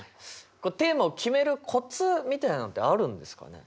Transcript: テーマを決めるコツみたいなのってあるんですかね？